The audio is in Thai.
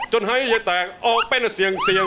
จนให้เย็นแตกออกไปน่ะเสียง